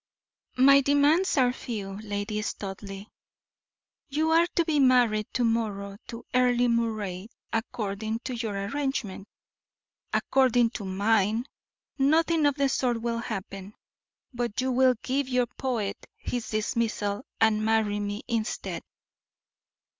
"My demands are few, Lady Studleigh. You are to be married to morrow to Earle Moray, according to your arrangement; according to mine, nothing of the sort will happen, but you will give your poet his dismissal, and marry me instead."